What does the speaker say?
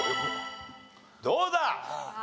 どうだ？